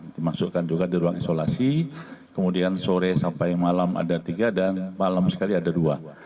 dimasukkan juga di ruang isolasi kemudian sore sampai malam ada tiga dan malam sekali ada dua